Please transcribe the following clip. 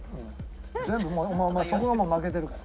全部お前そこがもう負けてるから。